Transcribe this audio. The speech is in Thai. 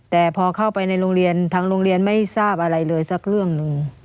แต่พอเข้าไปในโรงเรียนทางโรงเรียนไม่ทราบอะไรเลยสักเรื่องหนึ่ง